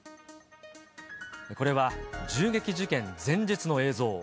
これは、銃撃事件前日の映像。